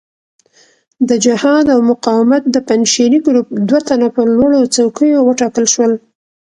د جهاد او مقاومت د پنجشیري ګروپ دوه تنه په لوړو څوکیو وټاکل شول.